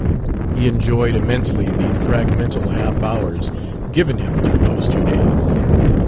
He enjoyed immensely the fragmental half hours given him through those two days.